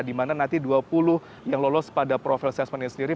di mana nanti dua puluh yang lolos pada profil assessment ini sendiri